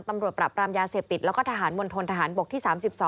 ปรับปรามยาเสพติดแล้วก็ทหารมณฑนทหารบกที่๓๒